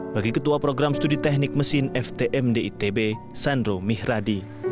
bagi ketua program studi teknik mesin ftm di itb sandro mihradi